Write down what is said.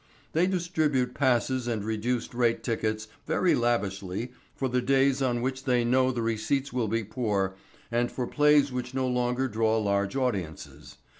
They distribute passes and reduced rate tickets very lavishly for the days on which they know the receipts will be poor and for plays which no longer draw large audiences.